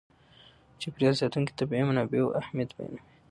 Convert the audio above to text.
چاپېر یال ساتونکي د طبیعي منابعو اهمیت بیانوي.